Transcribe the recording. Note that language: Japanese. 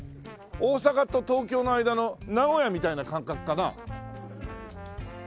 大阪と東京の間の名古屋みたいな感覚かな？